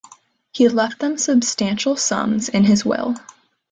He left them substantial sums in his will.